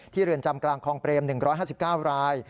เรือนจำกลางคลองเปรม๑๕๙ราย